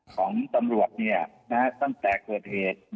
ของตำรวจตั้งแต่เกิดเหตุ